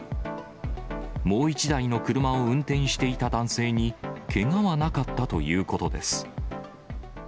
もう１台の車を運転していた男性にけがはなかったということです。